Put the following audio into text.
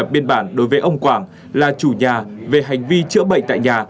biên bản đối với ông quảng là chủ nhà về hành vi chữa bệnh tại nhà